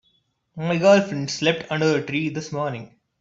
My girlfriend slept under a tree this morning.